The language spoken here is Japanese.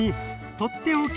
「とっておき！